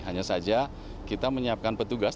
hanya saja kita menyiapkan petugas